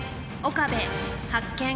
岡部発見。